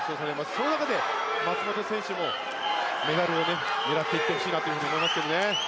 その中で松元選手もメダルを狙っていってほしいなと思いますけどね。